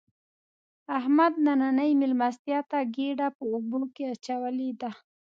احمد نننۍ مېلمستیا ته ګېډه په اوبو کې اچولې ده.